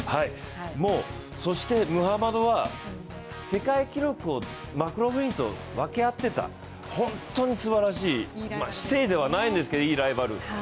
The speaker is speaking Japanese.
そしてムハマドは世界記録をマクローフリンと分け合ってた、本当にすばらしい、子弟ではないんですけどいいライバル。